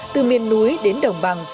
từ miền núi đến đồng bằng